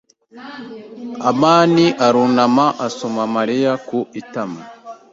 amani arunama asoma Mariya ku itama.